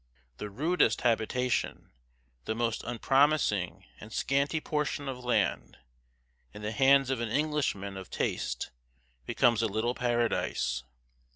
The rudest habitation, the most unpromising and scanty portion of land, in the hands of an Englishman of taste, becomes a little paradise.